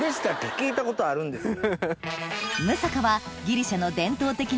聞いたことあるんですよ。